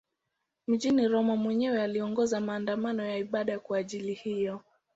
Mjini Roma mwenyewe aliongoza maandamano ya ibada kwa ajili hiyo.